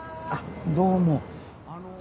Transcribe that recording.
どうも。